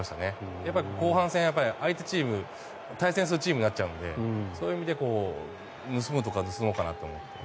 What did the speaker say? やっぱり、後半戦、相手チーム対戦するチームになっちゃうのでそういう意味で盗むところは盗もうかなという。